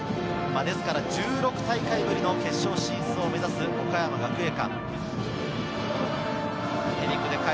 １６大会ぶりの決勝進出を目指す岡山学芸館。